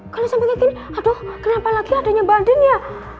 kalo sampe kayak gini aduh kenapa lagi adeknya mbak andin ya